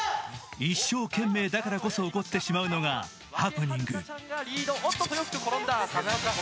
一生懸命だからこそ起こってしまうのがハプニング。